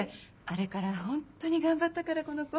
あれからホントに頑張ったからこの子。